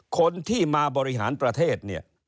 คนที่มาบริหารประเทศ